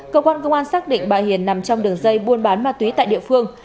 cơ quan công an xác định bà hiền nằm trong đường dây buôn bán ma túy tại địa phương